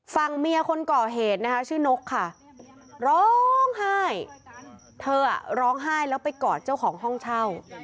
ฝั่งเมียคนก่อเหตุนะคะชื่อนกค่ะร้องไห้เธอร้องไห้แล้วไปกอดเจ้าของห้องเช่า